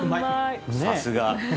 さすが。